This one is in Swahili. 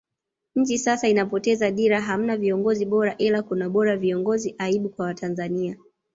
Nchi sasa inapoteza dira hamna viongozi bora ila kuna bora viongozi aibu kwa Watanzania